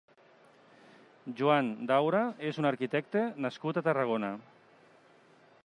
Juan Daura és un arquitecte nascut a Tarragona.